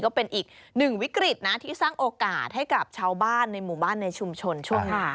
ก็เป็นอีกหนึ่งวิกฤตนะที่สร้างโอกาสให้กับชาวบ้านในหมู่บ้านในชุมชนช่วงนี้